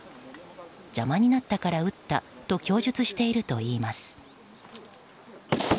邪魔になったから撃ったと供述しているといいます。